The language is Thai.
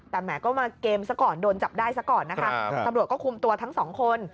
แต่แหมก็มาเกมสักก่อนโดนจับได้นะครับสักก่อนนะครับคุมตัวทั้งสองคน